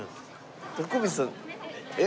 徳光さんえっ？